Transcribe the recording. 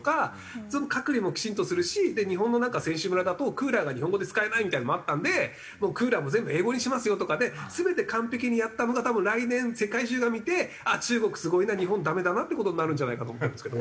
隔離もきちんとするし日本の選手村だとクーラーが日本語で使えないみたいなのもあったのでクーラーも全部英語にしますよとかで全て完璧にやったのが多分来年世界中が見てあっ中国すごいな日本ダメだなっていう事になるんじゃないかと思うんですけど。